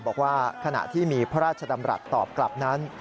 บอกว่าขณะที่มีพระราชดำรัฐตอบกลับนั้น